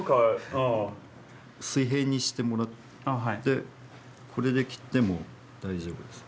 水平にしてもらってこれで切っても大丈夫です。